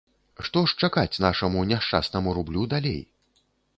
Што ж чакаць нашаму няшчаснаму рублю далей?